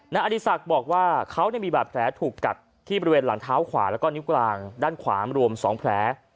อดีศักดิ์บอกว่าเขามีบาดแผลถูกกัดที่บริเวณหลังเท้าขวาแล้วก็นิ้วกลางด้านขวารวม๒แผล